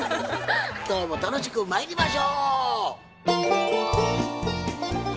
今日も楽しくまいりましょう！